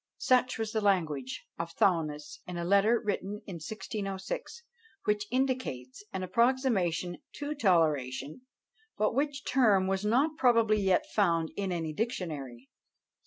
Such was the language of Thuanus, in a letter written in 1606; which indicates an approximation to toleration, but which term was not probably yet found in any dictionary.